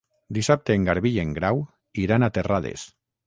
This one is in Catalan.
Dissabte en Garbí i en Grau iran a Terrades.